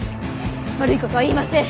悪いことは言いません。